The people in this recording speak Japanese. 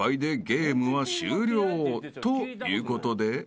ということで］